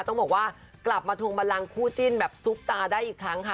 ต้องบอกว่ากลับมาทวงบันลังคู่จิ้นแบบซุปตาได้อีกครั้งค่ะ